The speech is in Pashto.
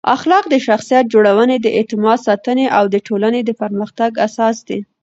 اخلاق د شخصیت جوړونې، د اعتماد ساتنې او د ټولنې د پرمختګ اساس دی.